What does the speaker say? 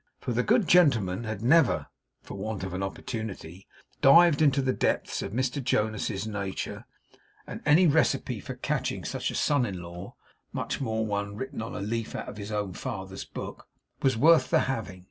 For the good gentleman had never (for want of an opportunity) dived into the depths of Mr Jonas's nature; and any recipe for catching such a son in law (much more one written on a leaf out of his own father's book) was worth the having.